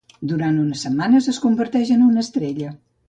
Durant unes setmanes es converteix en una estrella.